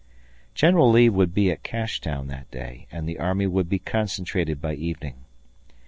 General Lee would be at Cashtown that day, and the army would be concentrated by evening.